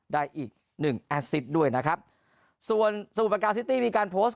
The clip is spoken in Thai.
ได้อีกหนึ่งแอสซิดด้วยนะครับส่วนสมุทรประการซิตี้มีการโพสต์